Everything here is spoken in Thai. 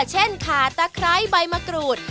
เช่นคาตะคร๊ายใบมะกรูด